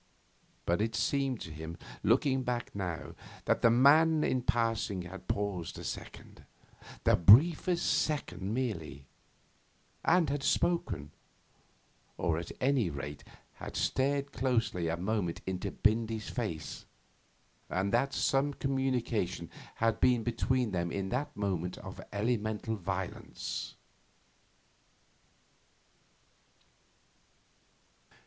But it seemed to him, looking back now, that the man in passing had paused a second the briefest second merely and had spoken, or, at any rate, had stared closely a moment into Bindy's face, and that some communication had been between them in that moment of elemental violence.